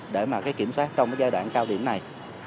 để mà cái kiểm soát trong cái giai đoạn cao điểm này